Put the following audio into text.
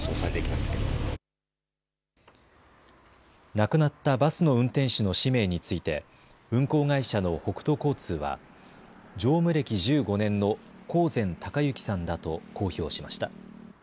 亡くなったバスの運転手の氏名について運行会社の北都交通は乗務歴１５年の興膳孝幸さんだと公表しました。